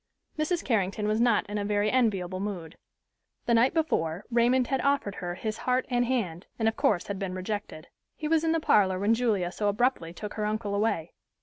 Mrs. Carrington was not in a very enviable mood. The night before Raymond had offered her his heart and hand, and of course had been rejected. He was in the parlor when Julia so abruptly took her uncle away.